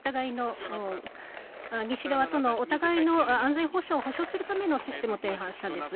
西側とのお互いの安全保障を保障するためのシステムを提案したんです。